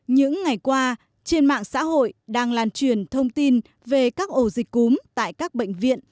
những ngày qua trên mạng xã hội đang lan truyền thông tin về các ổ dịch cúm tại các bệnh viện